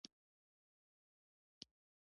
د مصنوعي ځیرکتیا دور